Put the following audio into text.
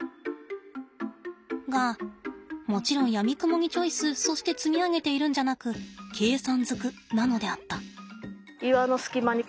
がもちろんやみくもにチョイスそして積み上げているんじゃなく計算ずくなのであった。